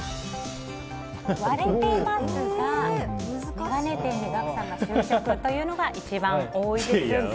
割れてますが眼鏡店にガクさんが就職というのが一番多いですが。